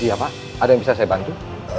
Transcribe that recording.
iya pak ada yang bisa saya bantu